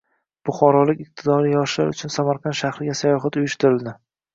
Buxorolik iqtidorli yoshlar uchun Samarqand shahriga sayohat uyushtirildi